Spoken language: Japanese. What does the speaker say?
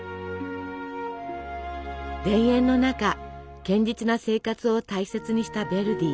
田園の中堅実な生活を大切にしたヴェルディ。